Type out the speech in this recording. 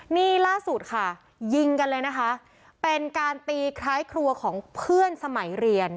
นี่ล่าสุดค่ะยิงกันเลยนะคะเป็นการตีคล้ายครัวของเพื่อนสมัยเรียน